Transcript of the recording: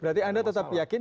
berarti anda tetap yakin